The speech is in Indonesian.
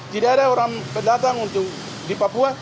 tidak ada orang pendatang untuk di papua